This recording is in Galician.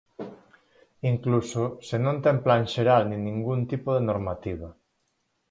Incluso se non ten plan xeral nin ningún tipo de normativa.